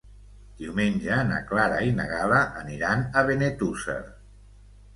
Diumenge na Clara i na Gal·la aniran a Benetússer.